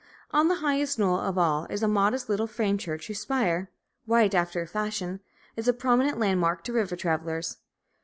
On the highest knoll of all is a modest little frame church whose spire white, after a fashion is a prominent landmark to river travelers.